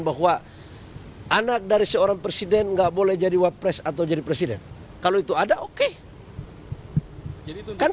bahwa anak dari seorang presiden enggak boleh jadi wapres atau jadi presiden kalau itu ada oke jadi itu kan